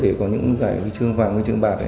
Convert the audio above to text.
để có những giải với chương vàng với chương bạc